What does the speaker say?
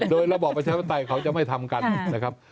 โดยระบอบประชาธิปไตยเขาจะไม่ทำกันนะครับ